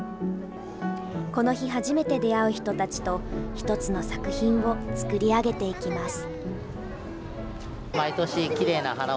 この日、初めて出会う人たちと、一つの作品を作り上げていきます。